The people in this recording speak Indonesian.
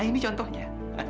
nah ini contohnya